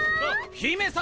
姫様！